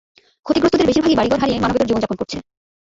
ক্ষতিগ্রস্তদের বেশিরভাগই বাড়িঘর হারিয়ে মানবেতর জীবন যাপন করছে।